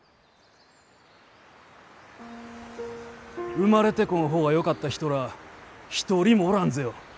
生まれてこん方がよかった人らあ一人もおらんぜよ。